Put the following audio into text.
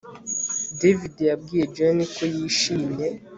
David yabwiye Jane ko yishimye